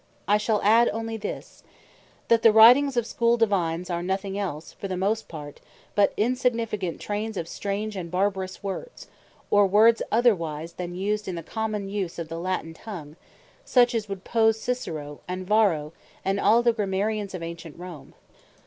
I shall onely adde this, that the Writings of Schoole Divines, are nothing else for the most part, but insignificant Traines of strange and barbarous words, or words otherwise used, then in the common use of the Latine tongue; such as would pose Cicero, and Varro, and all the Grammarians of ancient Rome.